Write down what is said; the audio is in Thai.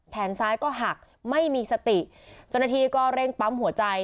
แขนซ้ายก็หักไม่มีสติเจ้าหน้าที่ก็เร่งปั๊มหัวใจ